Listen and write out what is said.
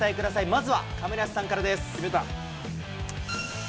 まずは亀梨さんからです。